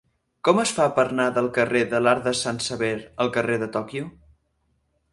Com es fa per anar del carrer de l'Arc de Sant Sever al carrer de Tòquio?